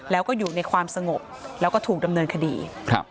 แล้วก็อยู่ในความสงบแล้วก็ถูกดำเนินคดีครับ